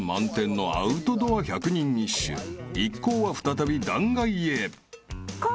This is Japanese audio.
［一行は再び断崖へ］